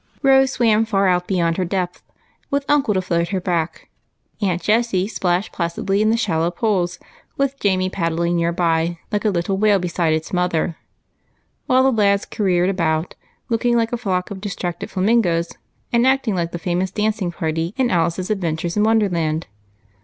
Rose swam far out beyond her depth, with uncle to float her back ; Aunt Jessie splashed placidly in the shallow pools, with Jamie paddling near by like a little whale beside its mother ; while the lads careered about, looking like a flock of distracted flamingoes, and acting like the famous dancing party in " Alice's Adventures in Wonderland."